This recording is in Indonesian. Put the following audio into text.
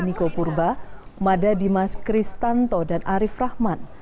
niko purba mada dimas kristanto dan arief rahman